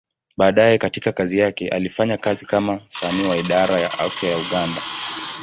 Baadaye katika kazi yake, alifanya kazi kama msanii wa Idara ya Afya ya Uganda.